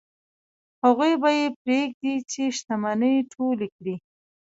هغوی به یې پرېږدي چې شتمنۍ ټولې کړي.